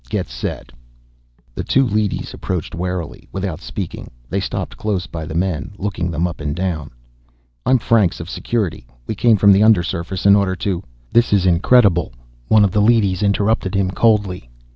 Get set." The two leadys approached warily. Without speaking, they stopped close by the men, looking them up and down. "I'm Franks of Security. We came from undersurface in order to " "This in incredible," one of the leadys interrupted him coldly.